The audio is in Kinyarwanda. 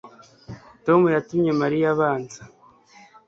Tom yatumye Mariya abanza